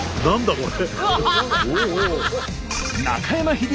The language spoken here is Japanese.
これ。